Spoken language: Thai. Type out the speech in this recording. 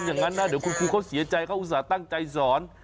อย่างนั้นนะเดี๋ยวคุณครูเขาเสียใจเขาอุตส่าห์ตั้งใจสอน